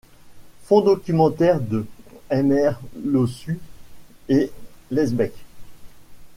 Fonds documentaire de Mr Laussu et Lesbec.